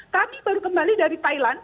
kami baru kembali dari thailand